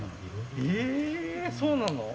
ええ、そうなの？